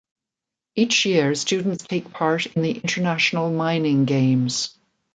Each year students take part in the International Mining Games.